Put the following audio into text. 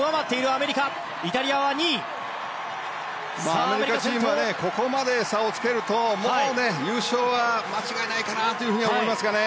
アメリカチームはここまで差をつけるともう優勝は間違いないかなと思いますね。